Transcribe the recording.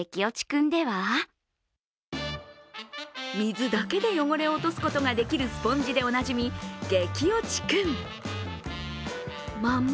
水だけで汚れを落とすことができるスポンジでおなじみ激落ちくん。